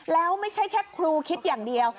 แล้วไม่ใช่แค่ครูคิดอย่างเดียว